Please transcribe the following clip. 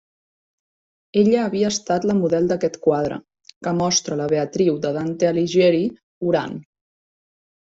Ella havia estat la model d'aquest quadre, que mostra la Beatriu de Dante Alighieri orant.